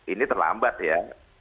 ini terlambat ya